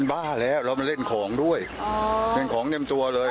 มันบ้าแล้วแล้วมันเล่นของด้วยอ๋อเล่นของเน็มตัวเลย